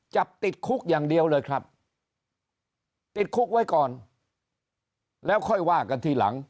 จับติดคุกอย่างเดียวเลยครับติดคุกไว้ก่อนแล้วค่อยว่ากันทีหลัง